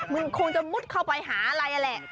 มึงคงจะมดเข้าไปหาอะไรแหละ